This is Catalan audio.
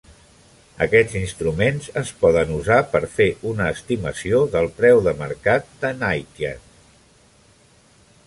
Aquests instruments es poden usar per fer una estimació del preu de mercat de Knightian.